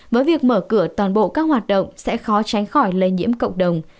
với việc mở cửa toàn bộ các hoạt động sẽ khó tránh khỏi lây nhiễm cộng đồng